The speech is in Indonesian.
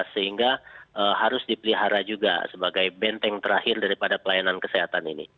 sehingga harus dipelihara juga sebagai benteng terakhir daripada pelayanan kesehatan ini